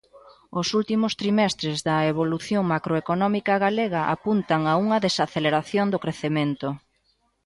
Os últimos trimestres da evolución macroeconómica galega apuntan a unha desaceleración do crecemento.